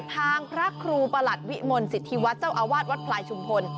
พระครูประหลัดวิมลสิทธิวัฒน์เจ้าอาวาสวัดพลายชุมพล